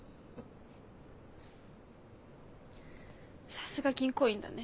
さすが銀行員だね。